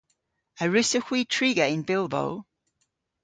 A wrussowgh hwi triga yn Bilbo?